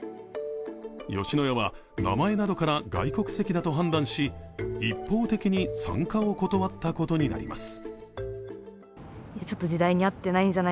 吉野家は、名前などから外国籍だと判断し一方的に参加を断ったことになります。